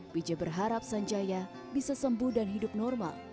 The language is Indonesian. bija berharap sanjaya bisa sembuh dan hidup normal